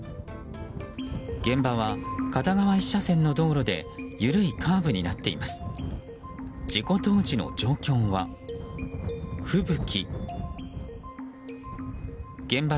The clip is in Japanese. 現場は片側１車線の道路で緩いカーブになっています。